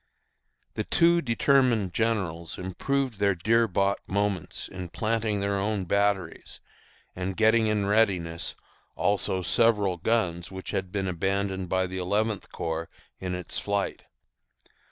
The two determined generals improved these dear bought moments in planting their own batteries, and getting in readiness also several guns which had been abandoned by the Eleventh Corps in its flight.